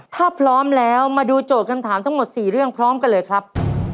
ถ้าพร้อมแล้วมาดูโจทย์คำถามทั้งหมด๔เรื่องพร้อมกันเลยครับ